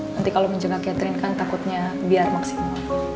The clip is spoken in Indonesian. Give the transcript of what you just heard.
nanti kalau menjaga catherine kan takutnya biar maksimal